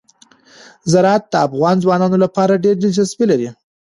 زراعت د افغان ځوانانو لپاره ډېره دلچسپي لري.